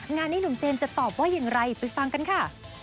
งานนี้หนุ่มเจมส์จะตอบว่าอย่างไรไปฟังกันค่ะ